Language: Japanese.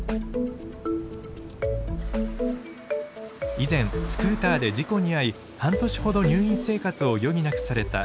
以前スクーターで事故に遭い半年ほど入院生活を余儀なくされた依田さん。